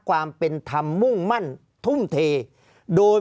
ภารกิจสรรค์ภารกิจสรรค์